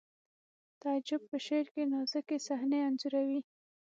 تعجب په شعر کې نازکې صحنې انځوروي